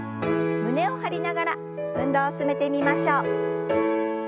胸を張りながら運動を進めてみましょう。